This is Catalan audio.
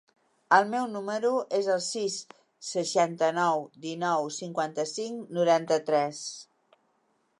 El meu número es el sis, seixanta-nou, dinou, cinquanta-cinc, noranta-tres.